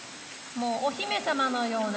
もうお姫様のような。